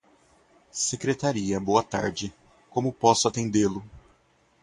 Secretaria, boa tarde. Como posso atendê-lo?